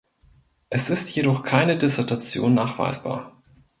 Es ist jedoch keine Dissertation nachweisbar.